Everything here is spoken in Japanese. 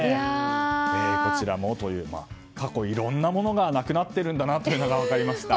こちらもという過去、いろんなものがなくなっているんだなと分かりました。